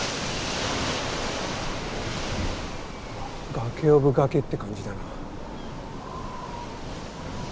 崖オブ崖って感じだな。